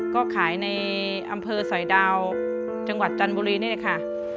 ก็ขายกันในอำเภอสอยยาวจังหวัดจันบุรีเนี่ยค่ะ